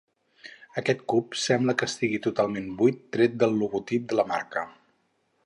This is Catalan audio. Aquest cub sembla que estigui totalment buit tret del logotip de la marca.